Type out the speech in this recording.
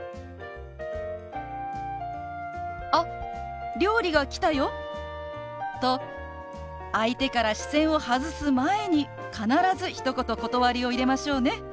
「あ料理が来たよ」と相手から視線を外す前に必ずひと言断りを入れましょうね。